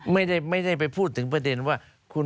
ไม่ได้ไปพูดถึงประเด็นว่า